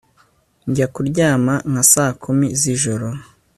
Njya kuryama nka saa kumi zijoro